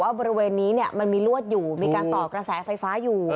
บริเวณนี้มันมีลวดอยู่มีการต่อกระแสไฟฟ้าอยู่